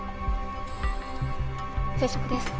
生食です。